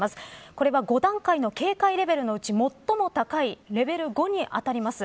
これは５段階の警戒レベルのうち最も高いレベル５に当たります。